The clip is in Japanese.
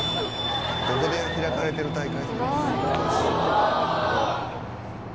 どこで開かれてる大会？